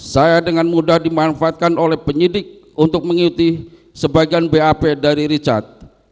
saya dengan mudah dimanfaatkan oleh penyidik untuk mengikuti sebagian bap dari richard